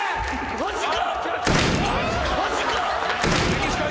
マジか！？